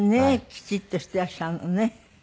きちっとしていらっしゃるのね。